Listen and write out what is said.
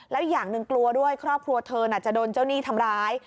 แล้วอย่างหนึ่งกลัวด้วยครอบครัวเธอจะโดนเจ้าหนี้ทำร้าย